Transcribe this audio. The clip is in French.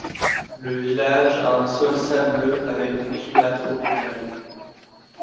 Le village a un sol sableux avec un climat tropical.